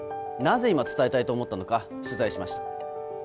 なぜ今、伝えたいと思ったのか取材しました。